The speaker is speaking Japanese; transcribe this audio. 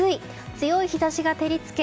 強い日差しが照り付け